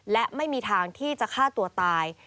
และไม่มีทางที่จะฆ่าตัวตาย